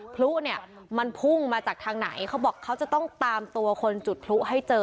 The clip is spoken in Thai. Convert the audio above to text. พลุเนี่ยมันพุ่งมาจากทางไหนเขาบอกเขาจะต้องตามตัวคนจุดพลุให้เจอ